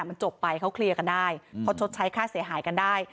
มันจบไปเขาเคลียร์กันได้เขาชดใช้ค่าเสียหายกันได้